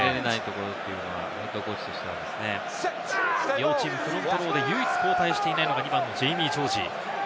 両チーム、フロントローで唯一交代していないのが２番のジェイミー・ジョージ。